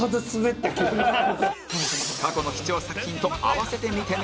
過去の貴重作品と併せて見てね